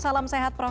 salam sehat prof